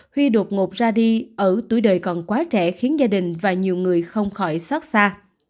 huy đột ngột ra đi ở tuổi đời còn quá trẻ khiến gia đình và nhiều người không khỏi xót xa